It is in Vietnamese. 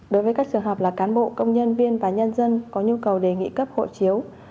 đối với các trường hợp là cán bộ công nhân viên và nhân dân có nhu cầu đề nghị cấp hộ chiếu